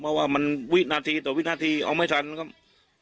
เพราะว่ามันวินาทีต่อวินาทีเอาไม่ทันครับ